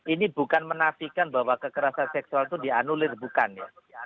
ini bukan menafikan bahwa kekerasan seksual itu dianulir bukan ya